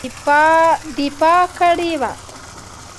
دفاع کړې وه.